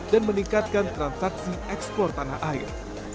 dan meningkatkan transaksi ekspor tanah air